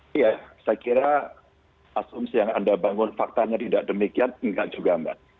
saya kira asumsi yang anda bangun faktanya tidak demikian tidak juga